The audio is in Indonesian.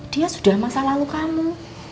dia sudah masa lalu kamu